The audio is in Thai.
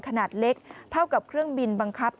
ขนาดเล็กเท่ากับเครื่องบินบังคับ